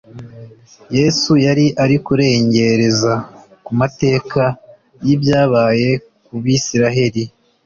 Yesu yari ari kurengereza ku mateka y’ibyabaye ku Bisiraheli.